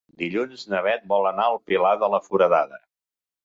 Dilluns na Beth vol anar al Pilar de la Foradada.